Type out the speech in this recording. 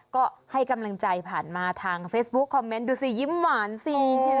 ก็ให้กำลังใจผ่านมาทางเฟซบุ๊คคอมเมนต์ดูสิยิ้มหวานสิ